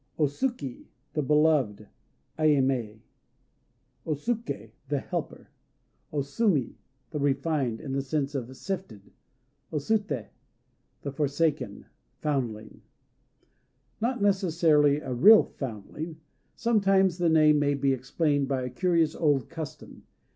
O Suki "The Beloved," Aimée. O Suké "The Helper." O Sumi "The Refined," in the sense of "sifted." O Suté "The Forsaken," foundling. Not necessarily a real foundling. Sometimes the name may be explained by a curious old custom.